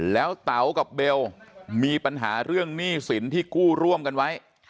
แล้วเต๋ากับเบลมีปัญหาเรื่องหนี้สินที่กู้ร่วมกันไว้